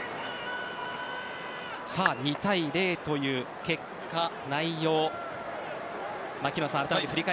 ２対０という結果、内容。